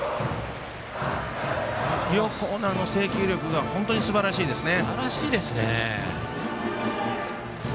両コーナーの制球力がすばらしいですね。